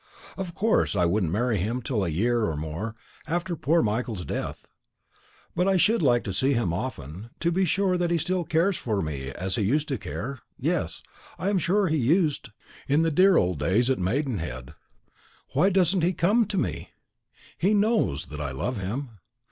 Of course I wouldn't marry him till a year, or more, after poor Michael's death; but I should like to see him often, to be sure that he still cares for me as he used to care yes, I am sure he used in the dear old days at Maidenhead. Why doesn't he come to me? He knows that I love him.